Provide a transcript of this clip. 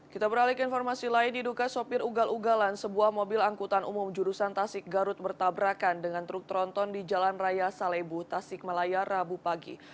kita beralih ke informasi lain diduga sopir ugal ugalan sebuah mobil angkutan umum jurusan tasik garut bertabrakan dengan truk tronton di jalan raya salebu tasik malaya rabu pagi